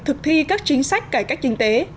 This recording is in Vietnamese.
thực thi các chính sách cải cách chính tế